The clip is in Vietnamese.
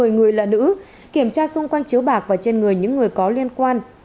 tại hiện trường có một mươi người là nữ kiểm tra xung quanh chiếu bạc và trên người những người có liên quan